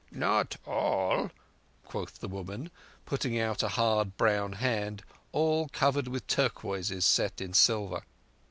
"Not all," quoth the woman, putting out a hard brown hand all covered with turquoises set in silver.